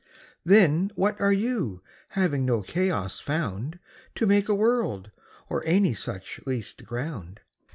Then what are You, having no Chaos found To make a World, or any such least ground?